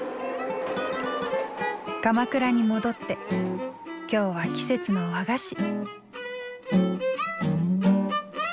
鎌倉に戻って今日は季節の和菓子。